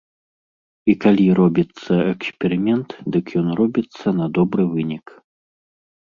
І калі робіцца эксперымент, дык ён робіцца на добры вынік.